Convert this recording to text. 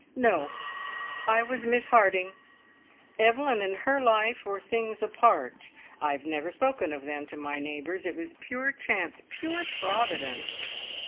"No! I was Miss Harding. Evelyn and her life were things apart. I have never spoken of them to my neighbours. It was pure chance pure Providence!"